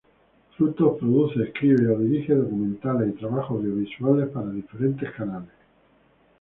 Frutos produce, escribe o dirige documentales y trabajos audiovisuales para diferentes canales.